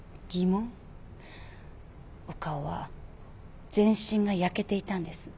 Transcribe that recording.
岡尾は全身が焼けていたんです。